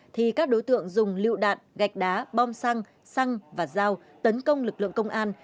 thì các đối tượng dùng lựu đạn gạch đá bom xăng và dao tấn công lực lượng công an